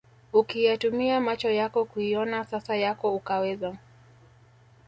ukayatumia macho yako kuiona sasa yako ukaweza